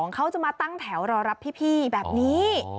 เขาจะมาตั้งแถวรอรับพี่แบบนี้